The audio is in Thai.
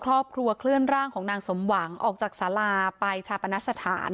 ครอบครัวเคลื่อนร่างของนางสมหวังออกจากสาราไปชาปนสถาน